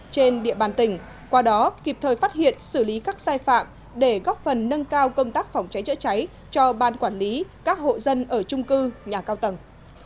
trên địa bàn tỉnh qua đó kịp thời phát hiện xử lý các sai phạm để góp phần nâng cao công tác phòng cháy chữa cháy cho ban quản lý các hộ dân ở trung cư nhà cao tầng